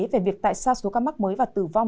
về việc tại sao số ca mắc mới và tử vong